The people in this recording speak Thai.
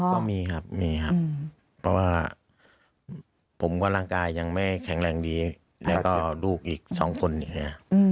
ก็มีครับมีครับเพราะว่าผมก็ร่างกายยังไม่แข็งแรงดีแล้วก็ลูกอีก๒คนอย่างนี้